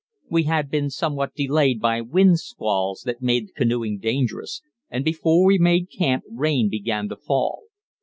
We had been somewhat delayed by wind squalls that made canoeing dangerous, and before we made camp rain began to fall.